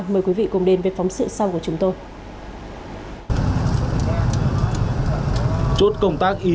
mời quý vị cùng đến với phóng sự sau của chúng tôi